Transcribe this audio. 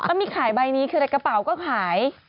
ถ้ามีใครใบนี้เขาถึงในกระเป๋าก็ขาย